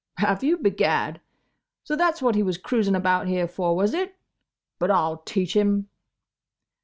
"Have you, begad!—So that's what he was cruising about here for, was it?—But I'll teach him!"